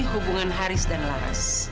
hubungan haris dan laras